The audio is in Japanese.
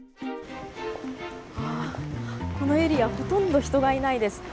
このエリアほとんど人がいないです。